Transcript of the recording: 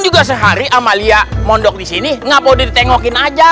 juga sehari amalia mondok di sini ngapain ditengokin aja